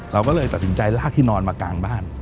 เราก็เลยตัดสินใจลากที่นอนมากลางบ้าน